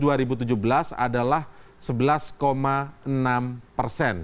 dua ribu tujuh belas adalah sebelas enam persen